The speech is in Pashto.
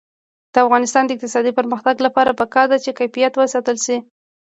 د افغانستان د اقتصادي پرمختګ لپاره پکار ده چې کیفیت وساتل شي.